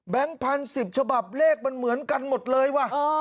พันธุ์๑๐ฉบับเลขมันเหมือนกันหมดเลยว่ะ